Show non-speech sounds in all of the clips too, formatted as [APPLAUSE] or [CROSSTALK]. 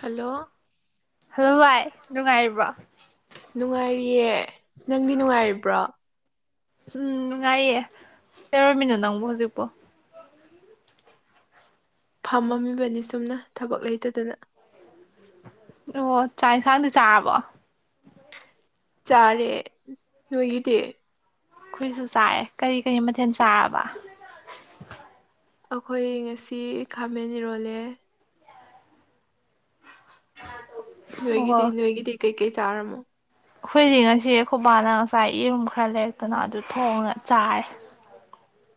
Hello hello ꯚꯥꯏ ꯅꯨꯡꯉꯥꯏꯔꯤꯕ꯭ꯔꯣ ꯑꯦ ꯅꯪꯗꯤ ꯅꯨꯡꯉꯥꯏꯔꯤꯕ꯭ꯔꯣ ꯎꯝ ꯅꯨꯡꯉꯥꯏꯌꯦ ꯀꯩꯗꯧꯔꯝꯃꯤꯅꯣ ꯅꯪꯕꯣ ꯍꯧꯖꯤꯛꯄꯣ ꯐꯝꯃꯝꯃꯤꯕꯅꯤ ꯁꯨꯝꯅ ꯊꯕꯛ ꯂꯩꯇꯗꯅ ꯑꯣ ꯆꯥꯛ ꯏꯟꯁꯥꯡꯗꯤ ꯆꯥꯔꯕꯣ ꯆꯥꯔꯦ ꯅꯣꯏꯒꯤꯗꯤ ꯑꯩꯈꯣꯏꯁꯨ ꯆꯥꯏꯔꯦ ꯀꯔꯤ ꯀꯔꯤ ꯃꯊꯦꯜ ꯆꯥꯔꯕ ꯑꯩꯈꯣꯏ ꯉꯁꯤ ꯈꯥꯃꯦꯟ ꯏꯔꯣꯜꯂꯦ [INAUDIBLE] [UNINTELLIGIBLE] ꯅꯣꯏꯒꯤꯗꯤ ꯑꯣ ꯅꯣꯏꯒꯤꯗꯤ ꯀꯩ ꯀꯩ ꯆꯥꯔꯝꯅꯣ ꯑꯩꯈꯣꯏꯗꯤ ꯉꯁꯤ ꯑꯩꯈꯣꯏ ꯕꯥꯅ ꯉꯁꯥꯏ ꯌꯦꯔꯨꯝ ꯈꯔ ꯂꯩꯔꯛꯇꯅ ꯑꯗꯨ ꯊꯣꯡꯉꯒ ꯆꯥꯔꯦ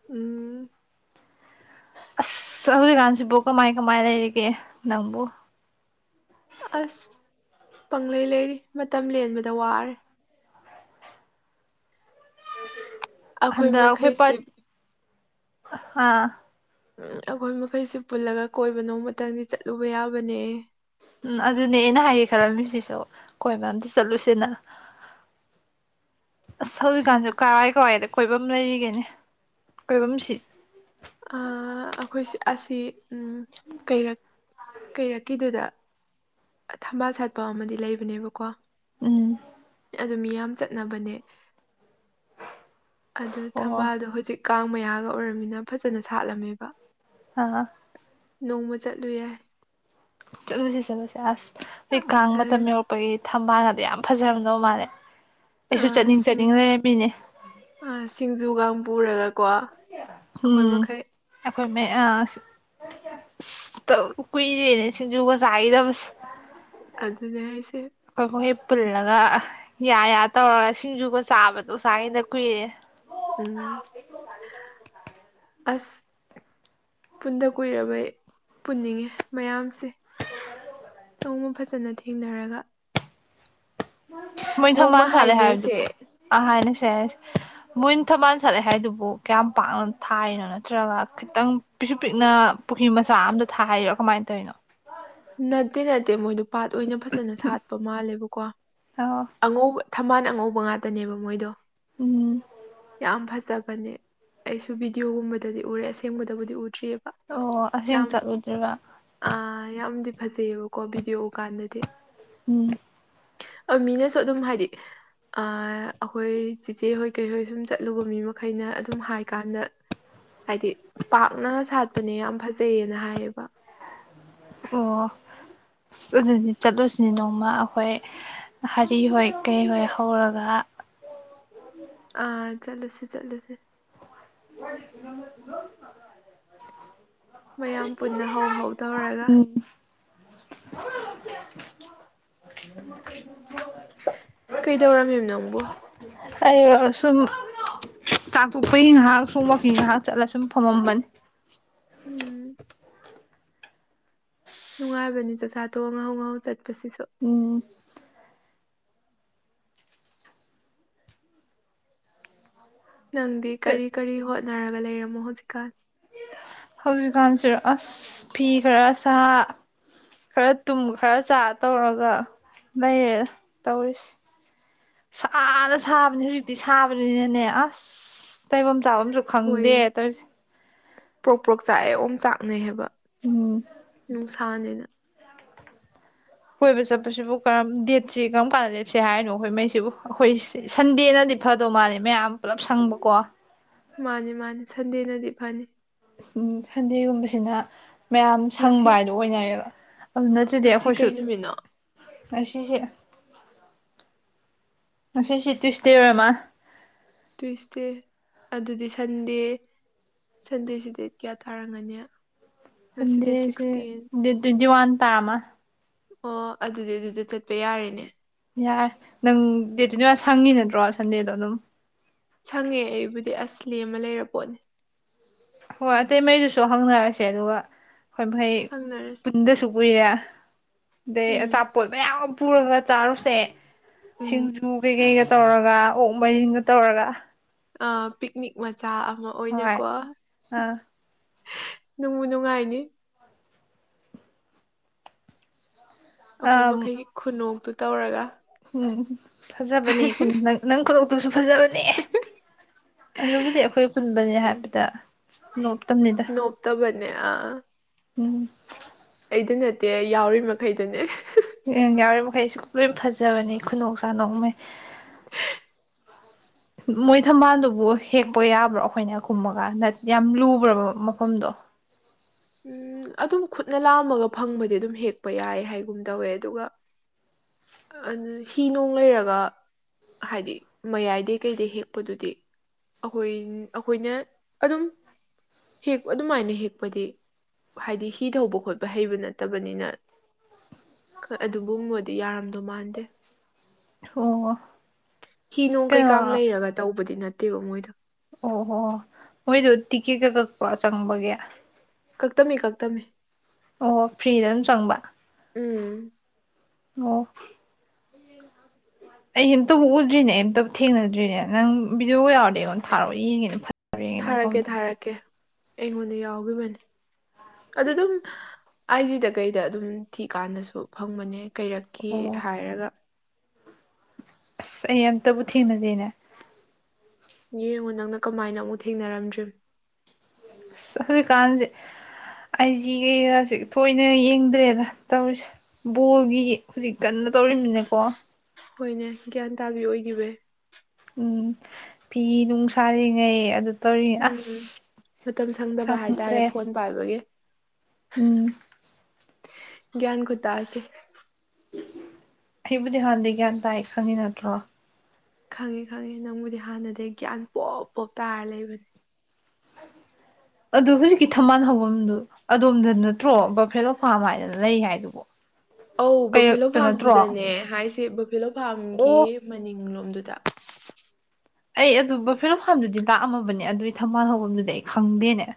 ꯎꯝ ꯑꯁ ꯍꯧꯖꯤꯛꯀꯥꯟꯁꯤꯕꯨ ꯀꯃꯥꯏ ꯀꯃꯥꯏ ꯂꯩꯔꯤꯒꯦ ꯅꯪꯕꯨ ꯑꯁ ꯄꯪꯂꯩ ꯂꯩꯔꯤ ꯃꯇꯝ ꯂꯦꯟꯕꯗ ꯋꯥꯔꯦ ꯍꯟꯗꯛ ꯑꯩꯈꯣꯏ ꯄꯥ ꯑꯥ ꯎꯝ ꯑꯩꯈꯣꯏ ꯃꯈꯩꯁꯤ ꯄꯨꯜꯂꯒ ꯀꯣꯏꯕ ꯅꯣꯡꯃꯇꯪꯗꯤ ꯆꯠꯂꯨꯕ ꯌꯥꯕꯅꯦ ꯎꯝ ꯑꯗꯨꯅꯦ ꯑꯩꯅ ꯍꯥꯏꯒꯦ ꯈꯜꯂꯝꯃꯤꯁꯤꯁꯨ ꯀꯣꯏꯕ ꯑꯝꯇ ꯆꯠꯂꯨꯁꯦꯅ ꯑꯁ ꯍꯧꯖꯤꯛꯀꯥꯟꯁꯨ ꯀꯔꯥꯏ ꯀꯔꯥꯏꯗ ꯀꯣꯏꯐꯝ ꯂꯩꯔꯤꯒꯦꯅꯦ ꯀꯣꯏꯐꯝꯁꯤ ꯑꯥ ꯑꯩꯈꯣꯏꯁꯤ ꯑꯁꯤ ꯎꯝ ꯀꯩꯔꯛ ꯀꯩꯔꯛꯀꯤꯗꯨꯗ ꯊꯝꯕꯥꯜ ꯁꯥꯠꯄ ꯑꯃꯗꯤ ꯂꯩꯕꯅꯦꯕꯀꯣ ꯎꯝ ꯑꯗꯨ ꯃꯤ ꯌꯥꯝ ꯆꯠꯅꯕꯅꯦ ꯑꯗꯨꯗ ꯑꯣ ꯊꯝꯕꯥꯜꯗꯣ ꯍꯧꯖꯤꯛ ꯀꯥꯡ ꯃꯌꯥꯒ ꯑꯣꯏꯔꯝꯃꯤꯅ ꯐꯖꯅ ꯁꯥꯠꯂꯝꯃꯦꯕ ꯑ ꯅꯣꯡꯃ ꯆꯠꯂꯨ ꯌꯥꯏ ꯆꯂꯁꯤ ꯆꯂꯁꯤ ꯑꯁ ꯑꯩ ꯀꯥꯥꯡꯃ ꯃꯇꯝꯝ ꯃꯄꯒꯤ ꯊꯝꯕꯥꯜ ꯑ ꯑꯗꯨꯣ ꯌꯥꯝ ꯐꯖꯔꯝꯗꯕ ꯃꯥꯜꯅꯦꯦ ꯑꯁꯤꯡ ꯑ ꯁꯤꯁꯤꯡꯖꯨꯒꯝ ꯄꯨꯔꯒꯀꯣ ꯑꯩꯈꯣꯏ ꯎꯝ ꯃꯈꯩ ꯑꯩꯈꯣꯏ ꯀꯨꯏꯔꯦꯅꯦ ꯁꯤꯡꯖꯨꯒ ꯆꯥꯈꯤꯗꯕꯁꯦ ꯑꯗꯨꯅꯦ ꯑꯩꯁꯦ ꯑꯩꯈꯣꯏ ꯃꯈꯣꯏꯣꯏ ꯄꯨꯜꯂꯒ ꯌꯥ ꯌꯥ ꯇꯧꯔꯒ ꯁꯤꯡꯖꯨꯒ ꯆꯥꯕꯗꯣ ꯎꯁꯥꯉꯩꯗ ꯀꯨꯏꯔꯦ ꯎꯝ ꯑꯁ ꯄꯨꯟꯗ ꯀꯨꯏꯔꯕ ꯄꯨꯅꯤꯡꯉꯦ ꯃꯌꯥꯝꯁꯦ ꯅꯣꯡꯃ ꯐꯖꯅ ꯊꯦꯡꯅꯔꯒ ꯃꯣꯏ ꯅꯣꯡꯃ ꯊꯃꯥꯟꯅ ꯆꯗꯦ ꯍꯥꯏꯗꯨ ꯍꯥꯏꯅꯁꯦ ꯑꯍ ꯍꯥꯏꯅ ꯁꯦ ꯃꯣꯏꯅ ꯊꯧꯕꯥꯜ ꯁꯠꯂꯦ ꯍꯥꯏꯗꯨꯕꯨ ꯀꯌꯥꯝ ꯄꯥꯛꯅ ꯊꯥꯏꯔꯤꯅꯣ ꯅꯠꯇ꯭ꯔꯒ ꯈꯤꯇꯪ ꯄꯤꯛꯁꯨ ꯄꯤꯛꯅ ꯄꯨꯈ꯭ꯔꯤ ꯃꯆꯥ ꯑꯝꯗ ꯊꯥꯔꯣ ꯀꯃꯥꯏꯅ ꯇꯧꯔꯤꯅꯣ ꯅꯠꯇꯦ ꯅꯠꯇꯦ ꯃꯣꯏꯗꯣ ꯄꯥꯠ ꯑꯣꯏꯅ ꯐꯖꯅ ꯁꯥꯠꯄ ꯃꯥꯜꯂꯦꯕꯀꯣ ꯑ ꯑꯉꯧꯕ ꯊꯃꯅ ꯑꯉꯧꯕ ꯉꯥꯇꯅꯦꯕ ꯃꯣꯏꯗꯣ ꯎꯝ ꯌꯥꯝ ꯐꯖ ꯕꯅꯦ ꯑꯩꯁꯨ ꯚꯤꯗꯤꯑꯣꯒꯨꯝꯕꯗꯗꯤ ꯎꯔꯦ ꯑꯁꯦꯡꯕꯗꯕꯨꯗꯤ ꯎ ꯑꯣ ꯑꯁꯦꯡ ꯆꯠꯂꯨꯗ꯭ꯔꯤꯕ ꯗꯤ ꯐꯖꯩꯌꯦꯕꯀꯣ ꯚꯤꯗꯤꯑꯣ ꯎ ꯀꯥꯟꯗꯗꯤ ꯎꯝ ꯑꫭ ꯃꯤꯅꯁꯨ ꯑꯗꯨꯝ ꯍꯥꯏꯗꯤ ꯑ ꯑꯩꯈꯣꯏ ꯆꯦꯆꯦ ꯍꯣꯏ ꯀꯩꯍꯣꯏ ꯁꯨꯝ ꯆꯠꯂꯨꯕ ꯃꯤ ꯃꯈꯩꯅ ꯑꯗꯨꯝ ꯍꯥꯏꯀꯥꯟꯗ ꯍꯥꯏꯗꯤ ꯄꯥꯛꯅ ꯁꯥꯠꯄꯅꯦ ꯌꯥꯝ ꯐꯖꯩꯌꯦꯅ ꯍꯥꯏꯌꯦꯕ ꯑꯣ ꯑꯁ ꯑꯗꯨꯗꯤ ꯆꯠꯂꯨꯁꯤꯅꯦ ꯅꯣꯡꯃ ꯑꯩꯈꯣꯏ ꯍꯔꯤ ꯍꯣꯏ ꯀꯩ ꯍꯣꯏ ꯍꯧꯔꯒ ꯑ ꯆꯠꯂꯨꯁꯤ ꯆꯠꯂꯨꯁꯨ [UNINTELLIGIBLE] ꯃꯌꯥꯝ ꯄꯨꯟꯅ ꯍꯧ ꯍꯧ ꯇꯧꯔꯒ ꯎꯝ [INAUDIBLE] ꯀꯩꯗꯧꯔꯝꯃꯤꯕ ꯅꯪꯕꯨ ꯑꯩꯔꫭ ꯑꯁꯨꯝ ꯆꯥꯛꯊꯣꯛꯄꯩ ꯉꯥꯏꯍꯥꯛ ꯁꯨꯝ ꯋꯥꯀꯤꯡ ꯉꯥꯏꯍꯥꯛ ꯆꯠꯂ ꯁꯨꯝ ꯐꯝꯃꯝꯕꯅꯤ ꯎꯝ ꯅꯨꯡꯉꯥꯏꯕꯅꯤ ꯆꯠꯆꯥ ꯇꫭꯛꯑ ꯉꯥꯍꯧꯉꯥꯍꯧ ꯆꯠ ꯎꯝ ꯅꯪꯗꯤ ꯀꯔꯤ ꯀꯔꯤ ꯍꯣꯠ ꯅꯔꯒ ꯂꯩꯔꯝꯃꯣ ꯍꯧꯖꯤꯀꯥ ꯍꯧꯖꯤꯛꯀꯥꯟꯁꯤ ꯑꯁ ꯐꯤ ꯈꯔ ꯁꯥ ꯈꯔ ꯇꯨꯝ ꯈꯔ ꯆꯥ ꯇꯧꯔꯒ ꯂꯩꯔꯦ ꯇꯧꯔꯤꯁꯦ ꯁꯅ ꯁꯥꯕꯅꯦ ꯍꯧꯖꯤꯛꯇꯤ ꯁꯥꯕꯅꯤꯅꯅꯦ ꯑꯁ ꯇꯩꯐꯝ ꯆꯝꯁꯨ ꯍꯣꯏꯌꯦ ꯈꯪꯗꯦ ꯇ ꯄ꯭ꯔꯣꯛ ꯄ꯭ꯔꯣꯛ ꯆꯥꯛꯑꯦ ꯑꯣꯝ ꯆꯥꯛꯅꯩ ꯍꯥꯏꯕ ꯎꯝ ꯅꯪꯁꯥꯟꯅꯦꯅ ꯀꯣꯏꯕ ꯆꯠꯄꯁꯤꯕꯨ ꯀꯔꯝ ꯗꯦꯠꯁꯤ ꯀꯔꯝ ꯀꯥꯟꯗ ꯂꯦꯞꯁꯦ ꯍꯥꯏꯔꯤꯅꯣ ꯑꯩꯈꯣꯏ ꯃꯩꯁꯤꯕꯨ ꯑꯩꯈꯣꯏ ꯁꯟꯗꯦꯅꯗꯤ ꯐꯗꯧ ꯃꯥꯂ ꯃꯌꯥꯝ ꯄꯨꯜꯂꯞ ꯁꯪꯕꯀꯣ ꯃꯥꯅꯤ ꯃꯥꯅꯤ ꯁꯟꯗꯦꯅꯗꯤ ꯐꯅꯤ ꯎ ꯁꯟꯗꯦꯒꯨꯝꯕꯁꯤꯅ ꯃꯌꯥꯝ ꯉꯁꯤ ꯁꯪꯕ ꯍꯥꯏꯗꯣ ꯑꯣꯏꯅꯌꯦꯕ ꯑꯗꯨ ꯅꯠꯇ꯭ꯔꯗꯤ ꯉꯁꯤ ꯑꯩꯈꯣꯏꯁꯨ ꯀꯩ ꯅꯨꯃꯤꯠꯅꯣ ꯉꯁꯤꯁꯦ ꯉꯁꯤꯁꯤ ꯇ꯭ꯌꯋꯁꯗꯦ ꯑꯣꯏꯔꯃꯜ ꯇ꯭ꯋꯁꯗꯦ ꯑꯗꯨꯗꯤ ꯁꯟꯗꯦ ꯁꯟꯗꯦꯁꯤ ꯗꯦ ꯀꯌꯥ ꯊꯥꯔꯝꯒꯅꯤ ꯁꯗꯦꯁ ꯗꯥꯇꯦ ꯇꯤꯟꯠꯌꯣꯟ ꯇꯥꯃ ꯑꯣ ꯑꯗꯨꯗꯤ ꯑꯗꯨꯗ ꯆꯠꯄ ꯌꯥꯔꯦꯅꯦ ꯌꯥꯔꯦ ꯅꯪ ꯗꯦꯠꯇꯨꯗꯤ ꯁꯪꯉꯤ ꯅꯠꯇ꯭ꯔꯣ ꯁꯟꯗꯦꯗꯣ ꯑꯗꯨꯝ ꯁꯪꯉꯦ ꯑꯩꯕꯨꯗꯤ ꯑꯁꯂꯤ ꯑꯃ ꯂꯩꯔ ꯄꯣꯠꯅꯤ ꯍꯣꯏ ꯑꯇꯩ ꯃꯩꯗꯨꯁꯨ ꯍꯪꯅꯔꯁꯦ ꯑꯗꯨꯒ ꯍꯣꯏ ꯃꯍꯩ ꯁꯪꯅꯔꯁꯦ ꯄꯨꯟꯗꯁꯨ ꯀꯨꯏꯔꯦ ꯑ ꯎꯝ ꯆꯥꯄꯣꯜ ꯃꯌꯥꯝ ꯄ ꯄꯨꯕꯠ ꯆꯥꯔꯨꯁꯦ ꯎꯝ ꯁꯤꯡꯖꯨ ꯀꯩꯀꯩꯒ ꯇꯧꯔꯒ ꯑꯣ ꯃꯩ ꯍꯪ ꯇꯧꯔꯒ ꯑ ꯄꯤꯛꯅꯤꯛ ꯃ ꯑꯣꯖꯥ ꯑꯃ ꯍꯣꯏ ꯑꯣꯏꯅꯀꯣ ꯑꯥ ꯅꯨꯡꯕꯨ ꯅꯨꯡꯉꯥꯏꯅꯤ ꯑꯩꯈꯣꯏ ꯑꯥ ꯃꯈꯩꯒꯤ ꯈꯨꯅꯣꯛꯇꯨ ꯇꯧꯔꯒ ꯎꯝ ꯐꯖꯕꯅꯤ ꯅꯪ ꯅꯪ ꯀ ꯑꯗꯨꯁꯨ ꯐꯖꯕꯅꯦ ꯑꯗꯨꯕꯨꯗꯤ ꯑꯩꯈꯣꯏ ꯀꯨꯟꯕꯅꯤ ꯍꯥꯏꯕꯗ ꯅꯣꯞꯇꯝꯅꯤꯗ ꯅꯣꯞꯇꯕꯅꯌꯥ ꯎꯝ ꯑꯩꯗꯤ ꯅꯠꯇꯦ ꯌꯥꯎꯔꯤ ꯃꯈꯩꯗꯨꯅꯦ ꯎ ꯌꯥꯎꯔꯤ ꯃꯈꯩꯁꯨ ꯂꯣꯏ ꯐꯖꯕꯅꯤ ꯈꯨꯗꯣꯛ ꯆꯥꯗꯣꯡꯃꯦ ꯃꯣꯏ ꯊꯝꯕꯥꯜꯗꯨꯕꯨ ꯍꯦꯛꯄ ꯌꯥꯕ꯭ꯔꯣ ꯑꯩꯈꯣꯏꯅ ꯈꯨꯝꯃꯒ ꯌꯥꯝ ꯂꯨꯕ꯭ꯔꯕ ꯃꯐꯝꯗꯣ ꯎꯝ ꯑꯗꯨꯝ ꯈꯨꯠꯅ ꯂꯥꯝꯃꯒ ꯐꯪꯕꯗꯤ ꯑꯗꯨꯝ ꯍꯦꯛꯄ ꯌꯥꯏ ꯍꯥꯏꯒꯨꯝ ꯇꯧꯋꯦ ꯑꯗꯨꯒ ꯍꯤ ꯅꯨꯡ ꯂꯩꯔꯒ ꯍꯥꯏꯗꯤ ꯃꯌꯥꯏꯗꯩ ꯀꯩꯗꯩ ꯍꯦꯛꯄꯗꯨꯗꯤ ꯑꯩꯈꯣꯏ ꯑꯩꯈꯣꯏꯅ ꯑꯗꯨꯝ ꯍꯦꯛ ꯑꯗꯨꯃꯥꯏꯅ ꯍꯦꯛꯄꯗꯤ ꯍꯥꯏꯗꯤ ꯍꯤ ꯊꯧꯕ ꯈꯣꯠꯄ ꯍꯩꯕ ꯅꯠꯇꯕꯅꯤꯅ ꯑꯗꯨꯨꯝꯕꯗꯤ ꯌꯥꯔꯝꯗꯣꯏ ꯃꯥꯟꯗꯦ ꯑꯣ ꯍꯤ ꯅꯨꯡ ꯀꯩꯅꯣ ꯀꯩꯀꯥ ꯂꯩꯔꯒ ꯇꯧꯕꯗꯨ ꯅꯠꯇꯦꯕꯥ ꯃꯣꯏꯗꯣ ꯑꯣꯍꯣ ꯃꯣꯏꯗ ꯇꯤꯀꯦꯠꯀ ꯀꯛꯄ ꯆꯪꯕꯒꯤ? ꯀꯛꯇꯃꯤ- ꯀꯛꯇꯃꯤ꯫ ꯑꯣ ꯐ꯭ꯔꯤꯗ ꯑꯗꯨꯝ ꯆꯪꯕ ꯎꯝ ꯑꯣ꯫ ꯑꯩ ꯑ ꯑꯃꯇꯕꯨ ꯎꯗ꯭ꯔꯤꯅꯦ ꯑꯩ ꯑꯃꯝꯇ ꯊꯦꯡꯅꯗ꯭ꯔꯤꯅꯦ ꯅꯪ ꯕꯤꯗꯤꯑꯣ ꯌꯥꯎꯔꯗꯤ ꯑꯩꯉꯣꯟ ꯊꯥꯔꯛꯑꯣ ꯌꯦꯡꯉꯦꯅ ꯐꯠ ꯊꯥꯔꯛꯀꯦ - ꯊꯥꯔꯛꯀꯦ ꯑꯩꯉꯣꯟꯗ ꯌꯥꯎꯒꯤꯕꯅꯤ꯫ ꯑꯗꯨ ꯑꯗꯨꯝ ꯑꯥꯏꯖꯤꯗ ꯀꯩꯗ ꯑꯗꯨꯝ ꯊꯤꯀꯥꯟꯗꯁꯨ ꯐꯪꯕꯅꯦ꯫ ꯀꯩꯔꯛꯈꯤ ꯑꯣ ꯍꯥꯏꯔꯒ ꯑꯁ ꯑꯩ ꯑꯝꯇꯕꯨ ꯊꯦꯡꯅꯗꯦꯅꯦ꯫ ꯌꯦꯡꯉꯨ ꯅꯪꯅ ꯀꯃꯥꯏꯅ ꯑꯃꯨꯛ ꯊꯦꯡꯅꯔꯝꯗ꯭ꯔꯤ? ꯑꯁ ꯍꯧꯖꯤꯛꯀꯥꯟꯁꯦ ꯑꯥꯏꯖꯤ ꯀꯩꯒꯁꯦ ꯊꯣꯏꯅ ꯌꯦꯡꯗ꯭ꯔꯦꯗ ꯇꯧꯔꯤꯁꯦ ꯕꯣꯜꯒꯤ ꯍꯧꯖꯤꯛ ꯀꯟꯅ ꯇꯧꯃꯤꯅꯦꯀꯣ ꯍꯣꯏꯅꯦ ꯒ꯭ꯌꯥꯟ ꯇꯥꯕꯤ ꯑꯣꯏꯈꯤꯕꯩ꯫ ꯎꯝ ꯐꯤ ꯅꯨꯡ ꯁꯥꯔꯤꯉꯩ ꯑꯗꯨ ꯇꯧꯔꯤ ꯑꯁ ꯎꯝ ꯃꯇꯝ ꯁꯪꯗꯕ ꯍꯥꯏꯇꯥꯔꯦ ꯁꯪꯗ꯭ꯔꯦ ꯐꯣꯟ ꯄꯥꯏꯕꯒꯤ꯫ ꯎꯝ꯫ ꯒꯌ꯭ꯥꯟ ꯈꯨꯇꯥꯁꯦ! ꯑꯩꯕꯨꯗꯤ ꯍꯥꯟꯗꯤ ꯒ꯭ꯌꯥꯟ ꯇꯥꯏ ꯈꯪꯉꯤ ꯅꯠꯇ꯭ꯔꯣ? ꯈꯪꯉꯦ- ꯈꯪꯉꯦ ꯅꯪꯕꯨꯗꯤ ꯍꯥꯟꯅꯗꯤ ꯒ꯭ꯌꯥꯟ ꯄꯣꯞ - ꯄꯣꯞ ꯇꯥꯔ ꯂꯩꯕꯅꯦ꯫ ꯑꯗꯨ ꯍꯧꯖꯤꯛꯀꯤ ꯊꯝꯕꯥꯜ ꯍꯐꯝꯗꯨ ꯑꯗꯣꯝꯗ ꯅꯠꯇ꯭ꯔꯣ ꯕꯐꯦꯂꯣ ꯐꯥꯝ ꯍꯥꯏꯗꯅ ꯂꯩ ꯍꯥꯏꯗꯨꯕꯣ꯫ ꯑ ꯕꯐꯦꯂꯣ ꯀꯩꯔꯛꯇ ꯅꯠꯇ꯭ꯔꯣ ꯐꯥꯔꯝꯗꯨꯗꯅꯦ ꯍꯥꯏꯁꯦ ꯚꯤꯂꯣ ꯐꯥꯝꯒꯤ ꯑꯣ ꯃꯅꯤꯡꯂꯣꯝꯗꯨ [INAUDIBLE] ꯑꯩ ꯑꯗꯨ ꯐꯤꯔꯣꯝ ꯐꯥꯝꯗꯨꯗꯤ ꯂꯥꯛꯑꯝꯃꯕꯅꯦ ꯑꯗꯨꯒꯤ ꯊꯧꯕꯥꯜ ꯍꯐꯝꯗꯨꯗꯤ ꯑꯩ ꯈꯪꯗꯦꯅꯦ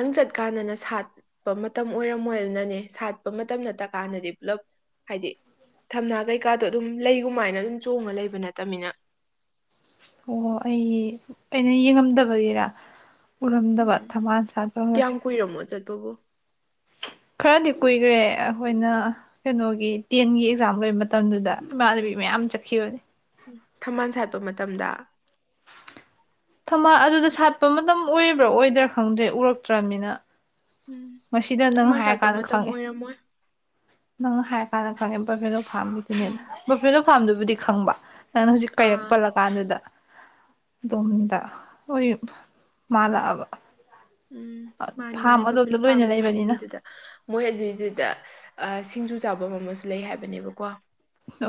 ꯈꯤꯇꯪ ꯆꯠꯀꯥꯟꯗꯅ ꯁꯥꯠꯄ ꯃꯇꯝ ꯑꯣꯏꯔꯝꯃꯣꯏꯅꯅꯦ ꯁꯥꯠꯄ ꯃꯇꯝ ꯅꯠꯇ ꯀꯥꯟꯗꯗꯤ ꯄꯨꯂꯞ ꯍꯥꯏꯗꯤ ꯊꯝꯅꯥ ꯀꯩꯀꯥꯗꯣ ꯑꯗꯨꯝ ꯂꯩꯒꯨꯝꯃꯥꯏꯅ ꯑꯗꯨꯝ ꯆꯣꯡꯉ ꯂꯩꯕ ꯅꯠꯇꯕꯅꯤꯅ ꯑꯣ ꯑꯩ ꯑꯩꯅ ꯌꯦꯡꯉꯝꯗꯕꯒꯤꯔ ꯎꯝ ꯑꯣꯔꯍꯗꯕꯥꯗ ꯊꯃꯥꯟ ꯆꯥꯗ ꯀꯌꯥꯝ ꯍꯧꯁꯦ ꯀꯨꯏꯔꯝꯃꯣ ꯆꯠꯄꯕꯨ ꯈꯔꯗꯤ ꯀꯨꯏꯈ꯭ꯔꯦ ꯑꯩꯈꯣꯏꯅ ꯀꯩꯅꯣꯒꯤ ꯇꯦꯟꯒꯤ ꯑꯦꯛꯖꯥꯝ ꯂꯣꯏꯕ ꯃꯇꯝꯗꯨꯗ ꯏꯃꯥꯟꯅꯕꯤ ꯃꯌꯥꯝ ꯆꯠꯈꯤꯕꯅꯤ ꯊꯝꯕꯥꯜ ꯁꯥꯠꯄ ꯃꯇꯝꯗ ꯊꯝꯃ ꯑꯗꯨꯗ ꯁꯥꯠꯄ ꯃꯇꯝ ꯑꯣꯏꯔꯕ꯭ꯔꯥ ꯑꯣꯏꯗ꯭ꯔꯥ ꯈꯪꯗ꯭ꯔꯦ ꯎꯔꯛꯇ꯭ꯔꯅꯤꯅ ꯎꯝ ꯃꯁꯤꯗ ꯅꯪ ꯊꯝꯕꯥꯜ ꯁꯥꯠꯄ ꯍꯥꯏꯔꯀꯥꯟꯗ ꯃꯇꯝ ꯈꯪꯉꯦ ꯑꯣꯏꯔꯝꯃꯣꯏ ꯅꯪ ꯍꯥꯏꯔ ꯀꯥꯟꯅ ꯈꯪꯒꯄ ꯐꯔꯣ ꯊꯝꯕꯤꯗꯨꯅꯦꯅ ꯐꯅ ꯐꯥꯝꯗꯨꯕꯨꯗꯤ ꯈꯪꯕ ꯅꯪ ꯍꯧꯖꯤꯛ ꯀꯩꯔꯛ ꯑꯥ ꯄꯜꯂ ꯀꯥꯟꯗꯨꯗ ꯝꯗ ꯑꯣꯏ ꯃꯥꯂꯕ ꯎꯝ ꯃꯥꯅꯤ ꯃꯥꯅꯤꯝꯕ ꯐꯂꯂꯝ ꯂꯣꯏꯅ ꯄꯥꯝꯅꯤ ꯂꯩꯕꯅꯤꯅ ꯃꯅꯤꯡꯒꯤꯗꯨꯗ ꯃꯣꯏ ꯑꯗꯨꯏꯗꯨꯗ ꯁꯤꯡꯖꯨ ꯆꯥꯐꯝ ꯑꯃꯁꯨ ꯂꯩ ꯍꯥꯏꯕꯅꯦꯕꯀꯣ ꯑ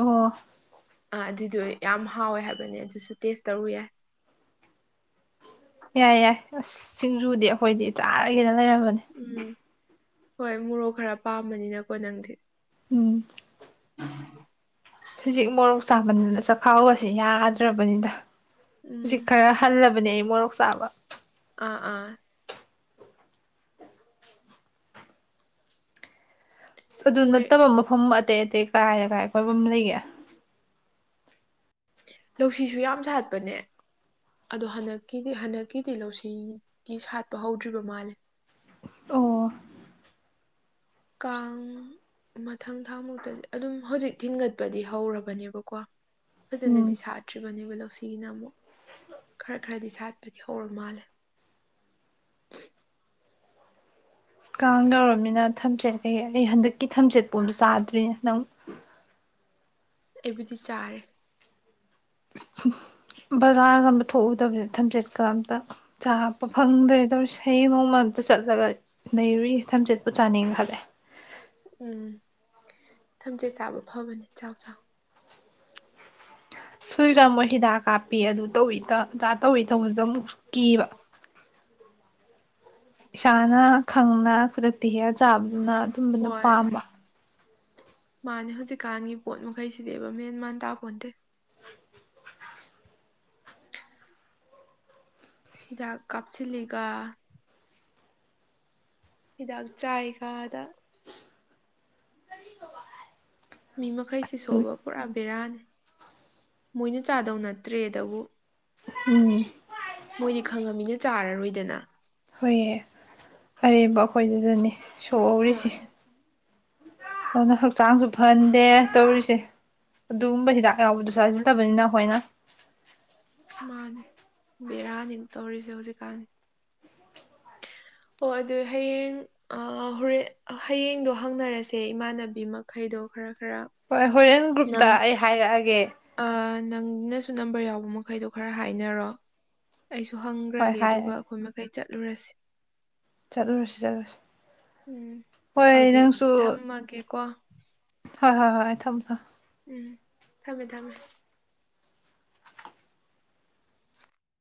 ꯑꯣ ꯑꯗꯨꯗꯨꯏ ꯌꯥꯝ ꯍꯥꯎꯋꯦ ꯍꯥꯏꯕꯅꯦ ꯑꯗꯨꯁꯨ ꯇꯦꯁ ꯇꯧꯔꯨ ꯌꯥꯏ ꯌꯥꯏ ꯌꯥꯏ ꯑꯁ ꯁꯤꯡꯖꯨꯗꯤ ꯑꯩꯈꯣꯏꯗꯤ ꯆꯥꯔꯒꯦꯗ ꯂꯩꯔꯝꯖꯅꯦ ꯎꯝ ꯍꯣꯏ ꯃꯣꯔꯣꯛ ꯈꯔ ꯄꯥꯝꯕꯅꯤꯅꯀꯣ ꯅꯪꯗꯤ ꯎꯝ ꯍꯧꯖꯤꯛ ꯃꯣꯔꯣꯛ ꯆꯥꯃꯟꯗꯅ ꯆꯥꯛꯈꯥꯎꯁꯤ ꯌꯥꯗ꯭ꯔꯕꯅꯤꯅ ꯍꯧꯖꯤꯛ ꯎꯝ ꯈꯔ ꯍꯜꯂ ꯍꯥꯏꯕꯅꯦ ꯑꯩ ꯃꯣꯔꯣꯛ ꯆꯥꯕ ꯑꯥ ꯑꯥ ꯑꯗꯨ ꯃꯣꯏ ꯅꯠꯇꯕ ꯃꯐꯝ ꯑꯇꯩ ꯑꯇꯩ ꯀꯥꯏ ꯀꯥꯏ ꯀꯣꯏꯕꯝ ꯂꯩꯒꯦ ꯂꯧꯁꯤꯁꯨ ꯌꯥꯝ ꯁꯥꯠꯄꯅꯦ ꯑꯗꯣ ꯍꯟꯗꯛꯀꯤꯗꯤ ꯍꯟꯗꯛꯀꯤꯗꯤ ꯂꯧꯁꯤꯒꯤ ꯁꯥꯠꯄ ꯍꯧꯗ꯭ꯔꯤꯕ ꯃꯥꯜꯂꯦ ꯑꯣ ꯀꯥꯡ ꯃꯊꯪ ꯊꯥꯃꯨꯛꯇꯗꯤ ꯑꯗꯨꯝ ꯍꯧꯖꯤꯛ ꯊꯤꯟꯒꯠꯄꯗꯤ ꯍꯧꯔꯕꯅꯦꯕꯀꯣ ꯎꯝ ꯐꯖꯅꯗꯤ ꯁꯥꯠꯇ꯭ꯔꯤꯕꯅꯦꯕ ꯂꯧꯁꯤꯒꯤꯅ ꯑꯃꯨꯛ ꯈꯔ ꯈꯔꯗꯤ ꯁꯥꯠꯄꯗꯤ ꯍꯧꯔ ꯃꯥꯜꯂꯦ ꯀꯥꯡ ꯌꯧꯔꯕꯅꯤꯅ ꯊꯝꯆꯦꯠ ꯀꯩ ꯀꯩ ꯍꯟꯗꯛꯀꯤ ꯊꯝꯆꯦꯠ ꯄꯣꯕ ꯆꯥꯗ꯭ꯔꯤꯅꯦ ꯅꯪ ꯑꯩꯕꯨꯗꯤ ꯆꯥꯔꯦ ꯕꯖꯥꯔꯒꯕ ꯊꯣꯛꯎꯗꯕꯗ ꯊꯝꯆꯦꯠꯀ ꯑꯝꯇ ꯆꯥꯄ ꯐꯪꯗ꯭ꯔꯦ ꯇꯧꯔ ꯍꯌꯦꯡ ꯅꯣꯡꯃ ꯑꯝꯇ ꯆꯠꯂꯒ ꯂꯩꯔꯨꯏ ꯊꯝꯆꯦꯠꯄꯨ ꯆꯥꯅꯤꯡ ꯈꯜꯂꯦ ꯎꯝ ꯊꯝꯆꯦꯠ ꯆꯥꯕ ꯐꯕꯅꯤ ꯆꯥꯎ ꯆꯥꯎ ꯁꯨꯏꯒ ꯑꯃꯨꯛ ꯍꯤꯗꯥꯛ ꯀꯥꯞꯄꯤ ꯑꯗꯨ ꯇꯧꯋꯦ ꯇꯧꯏ ꯇꯧꯕꯁꯨ ꯑꯃꯨꯛ ꯀꯤꯕ ꯏꯁꯅꯥ ꯈꯪꯅꯥ ꯈꯨꯗꯛꯇ ꯍꯦꯛ ꯑ ꯆꯥꯕ ꯑꯗꯨꯅ ꯑꯗꯨꯝꯕꯅ ꯍꯣꯏ ꯄꯥꯝꯕ ꯃꯥꯅꯦ ꯍꯧꯖꯤꯛꯀꯥꯟꯒꯤ ꯄꯣꯠ ꯃꯈꯩꯁꯤꯗꯤꯕ ꯃꯦꯟ ꯃꯥꯟ ꯇꯥꯄꯣꯟꯗꯦ ꯍꯤꯗꯥꯛ ꯀꯥꯞꯁꯤꯂꯒ ꯍꯤꯗꯥꯛ ꯆꯥꯏꯒꯗ ꯃꯤ ꯃꯈꯩꯁꯤ ꯁꯨ ꯑꯗꯨꯅꯤ ꯄꯨꯔ ꯕꯦꯔꯥꯅꯤ ꯃꯣꯏꯅ ꯆꯥꯗꯧ ꯅꯠꯇ꯭ꯔꯦꯗꯕꯨ ꯎꯝ ꯃꯣꯏꯗꯤ ꯈꯪꯉꯝꯃꯤꯅ ꯆꯥꯔꯅ ꯂꯣꯏꯗꯅ ꯍꯣꯏꯑ ꯑꯔꯦꯝꯕ ꯑꯩꯈꯣꯏꯗꯨꯗꯅꯦ ꯁꯣꯛꯍꯧꯔꯤꯁꯦ ꯃꯥꯅꯦ ꯑꯗꯨꯅ ꯍꯛꯆꯥꯡꯁꯨ ꯐꯍꯟꯗꯦ ꯇꯧꯔꯤꯁꯦ ꯑꯗꯨꯒꯨꯝꯕ ꯍꯤꯗꯥꯛ ꯌꯥꯎꯕꯗꯨ ꯆꯥꯁꯤꯜꯗꯕꯅꯤꯅ ꯑꯩꯈꯣꯏꯅ ꯃꯥꯅꯦ ꯕꯦꯔꯥꯅꯤ ꯇꯧꯔꯤꯁꯦ ꯍꯧꯖꯤꯛꯀꯥꯟꯅꯤ ꯑꯣ ꯑꯗꯨ ꯍꯌꯦꯡ ꯍꯣꯔꯦꯟ ꯍꯌꯦꯡꯗꯣ ꯍꯪꯅꯔꯁꯦ ꯏꯃꯥꯟꯅꯕꯤ ꯃꯈꯩꯗꯣ ꯈꯔ ꯈꯔ ꯍꯣꯏ ꯍꯣꯔꯦꯟ ꯒ꯭ꯔꯨꯞꯇ ꯅꯪ ꯑꯩ ꯍꯥꯏꯔꯛꯑꯒꯦ ꯅꯪꯅꯁꯨ ꯅꯝꯕꯔ ꯌꯥꯎꯕ ꯃꯈꯩꯗꯣ ꯈꯔ ꯍꯥꯏꯅꯔꯣ ꯑꯩꯁꯨ ꯍꯣꯏ ꯍꯪꯈ꯭ꯔꯒꯦ ꯑꯗꯨꯒ ꯍꯥꯏꯔꯛꯑꯒꯦ ꯑꯩꯈꯣꯏ ꯃꯈꯩ ꯆꯠꯂꯨꯔꯁꯤ ꯆꯠꯂꯨꯔꯁꯤ ꯆꯠꯂꯨꯔꯁꯤ ꯎꯝ ꯍꯣꯏ ꯑꯗꯨꯗꯤ ꯅꯪꯁꯨ ꯊꯝꯃꯒꯦꯀꯣ ꯍꯣꯏ ꯍꯣꯏ ꯍꯣꯏ ꯑꯩ ꯊꯝꯃꫭ ꯊꯝ ꯎꯝ ꯊꯝꯃꯦ ꯊꯝꯃꯦ